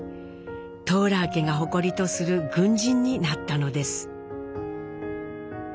トーラー家が誇りとする軍人になったのです。